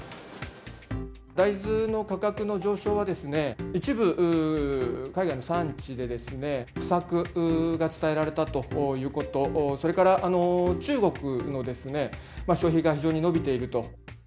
大豆の価格の上昇は、一部海外の産地で不作が伝えられたということ、それから、中国の消費が非常に伸びていると。